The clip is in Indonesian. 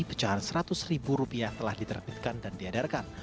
pecahan seratus ribu rupiah telah diterbitkan dan diedarkan